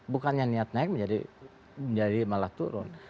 bukannya niat naik menjadi malah turun